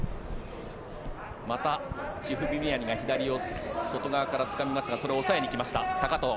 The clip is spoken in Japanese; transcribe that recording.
またチフビミアニが左を外側からつかみましたがそれを抑えに行きました、高藤。